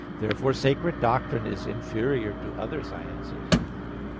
Therefore sacred doctrine is inferior to other sciences.